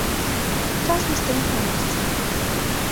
Час не стаіць на месцы.